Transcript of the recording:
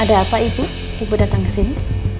ada apa ibu ibu datang ke sini